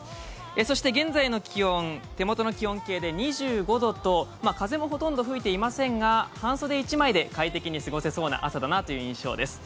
そして現在の気温、手元の気温計で２５度と、風もほとんど吹いていませんが、半袖１枚で快適に過ごせそうな朝の印象です。